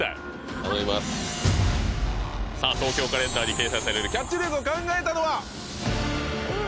頼みますさあ「東京カレンダー」に掲載されるキャッチフレーズを考えたのはううおぉ